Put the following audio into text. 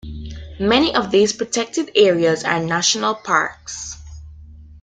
Many of these protected areas are national parks.